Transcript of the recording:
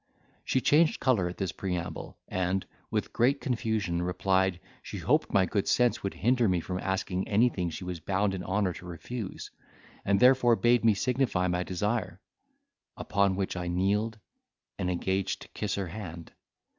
She changed colour at this preamble, and, with great confusion, replied, she hoped my good sense would hinder me from asking anything she was bound in honour to refuse, and therefore bade me signify my desire. Upon which I kneeled, and engaged to kiss her hand.